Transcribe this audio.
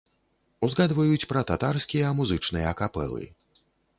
Узгадваюць пра татарскія музычныя капэлы.